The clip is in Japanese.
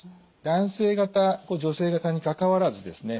男性型女性型にかかわらずですね